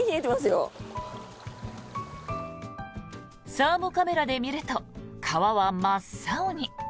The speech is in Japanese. サーモカメラで見ると川は真っ青に。